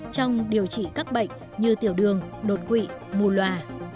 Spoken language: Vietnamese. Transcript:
trong điều trị các bệnh như tiểu đường đột quỵ mù loà